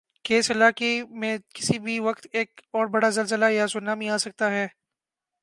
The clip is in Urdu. کہ اس علاقی میں کسی بھی وقت ایک اوربڑا زلزلہ یاسونامی آسکتا ہی۔